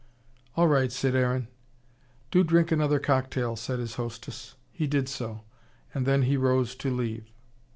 "All right," said Aaron. "Do drink another cocktail," said his hostess. He did so. And then he rose to leave.